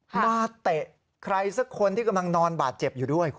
เตะใครสักคนที่กำลังนอนบาดเจ็บอยู่ด้วย